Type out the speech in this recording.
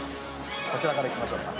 こちらから行きましょうか。